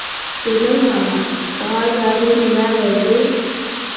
جېنىم بالام، ساڭا زادى نېمە بولدى؟